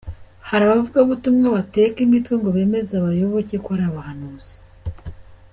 Hari abavugabutumwa bateka imitwe ngo bemeze abayoboke ko ari abahanuzi?.